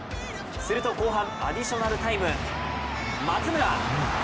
すると、後半アディショナルタイム、松村！